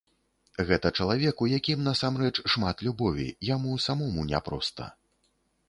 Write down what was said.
Гэта чалавек, у якім насамрэч шмат любові, яму самому няпроста.